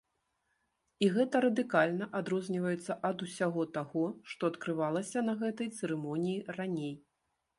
І гэта радыкальна адрозніваецца ад усяго таго, што адкрывалася на гэтай цырымоніі раней.